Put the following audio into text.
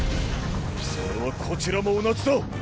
それはこちらも同じだ。